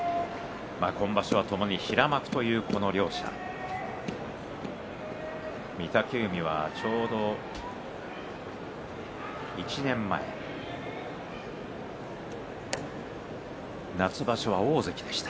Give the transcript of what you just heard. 今場所はともに平幕というこの両者御嶽海はちょうど１年前夏場所は大関でした。